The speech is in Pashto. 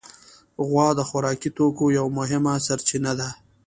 غوا د خوراکي توکو یوه مهمه سرچینه ده.